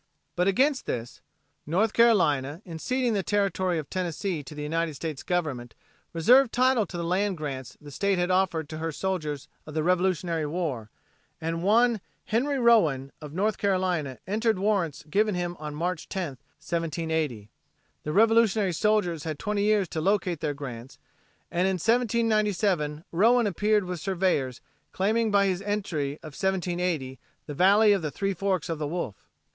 But against this, North Carolina in ceding the territory of Tennessee to the United States Government reserved title to the land grants the state had offered to her soldiers of the Revolutionary War, and "one Henry Rowan" of North Carolina entered warrants given him on March 10, 1780. The Revolutionary soldiers had twenty years to locate their grants, and in 1797 Rowan appeared with surveyors, claiming by his entry of 1780 the "Valley of the Three Forks o' the Wolf."